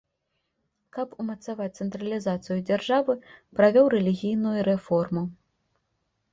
Каб умацаваць цэнтралізацыю дзяржавы, правёў рэлігійную рэформу.